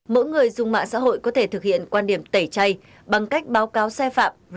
mỗi người dùng mạng xã hội có thể thực hiện quan điểm tẩy chay bằng cách báo cáo xe phạm report các hội nhóm này